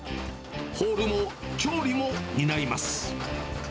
ホールも調理も担います。